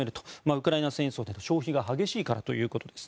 ウクライナ戦争で消費が激しいからということです。